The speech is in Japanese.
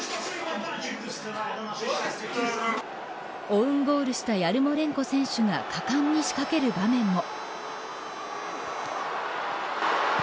オウンゴールをしたヤルモレンコ選手が果敢に仕掛ける場面も。